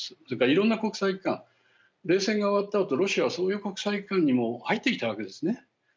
それから、いろんな国際機関冷戦が終わったあとロシアはそういう国際機関にも入ってきたわけですね。